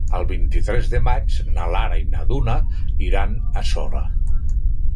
El vint-i-tres de maig na Lara i na Duna iran a Sora.